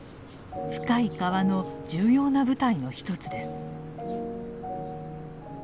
「深い河」の重要な舞台の一つです。